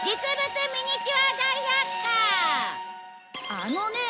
あのねえ！